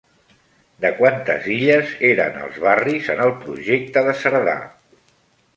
De quantes illes eren els barris en el projecte de Cerdà?